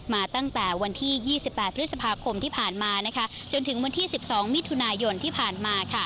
มาตั้งแต่วันที่๒๘พฤษภาคมที่ผ่านมาจนถึงวันที่๑๒มิถุนายนที่ผ่านมา